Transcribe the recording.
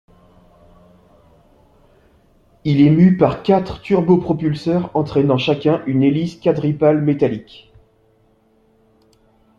Il est mû par quatre turbopropulseurs entraînant chacun une hélice quadripale métallique.